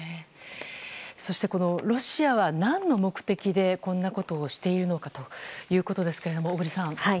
そして、ロシアは何の目的でこんなことをしているのかということなんですが、小栗さん。